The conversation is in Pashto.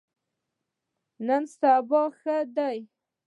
نن سبا ښه دي.